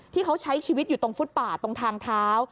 ที่เขาใช้ชีวิตอยู่ตรงฟุตป่าตรงทางเท้า